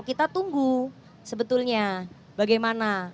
kita tunggu sebetulnya bagaimana